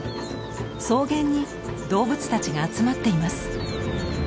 草原に動物たちが集まっています。